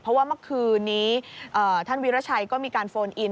เพราะว่าเมื่อคืนนี้ท่านวิราชัยก็มีการโฟนอิน